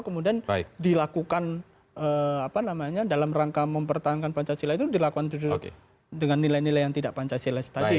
kemudian dilakukan apa namanya dalam rangka mempertahankan pancasila itu dilakukan dengan nilai nilai yang tidak pancasila tadi